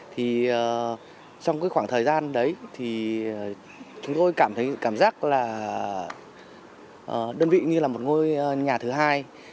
thì trong cái khoảng thời gian đấy thì chúng tôi cảm thấy cảm giác là đơn vị như là một ngôi nhà thứ hai